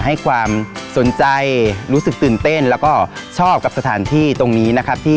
ให้ความสนใจรู้สึกตื่นเต้นแล้วก็ชอบกับสถานที่ตรงนี้นะครับพี่